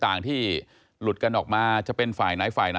ตั้งค่ำที่หลุดกันออกมาจะเป็นฝ่ายไหน